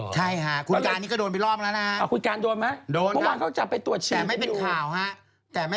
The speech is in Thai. ใช่คุณการก็โดนไปล้อมแล้วนะ